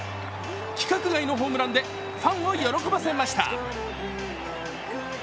規格外のホームランでファンを喜ばせました。